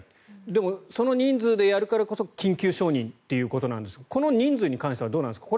でもその人数でやるからこそ緊急承認ということなんですがこの人数に関してはどうなんですか。